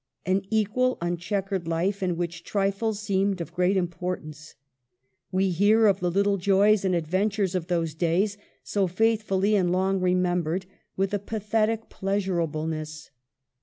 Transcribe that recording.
An equal, unchequered life, in which trifles seemed of great importance. We hear of the little joys and adventures of those days, so faithfully and long remembered, with a pathetic pleasurable ness.